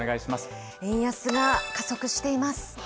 円安が加速しています。